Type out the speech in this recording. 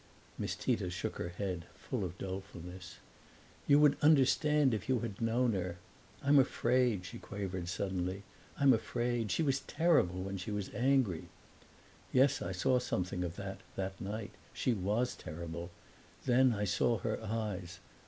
Miss Tita shook her head, full of her dolefulness. "You would understand if you had known her. I'm afraid," she quavered suddenly "I'm afraid! She was terrible when she was angry." "Yes, I saw something of that, that night. She was terrible. Then I saw her eyes.